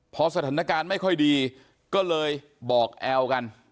พอสถานการณ์ไม่ค่อยดีก็เลยบอกแอลกัน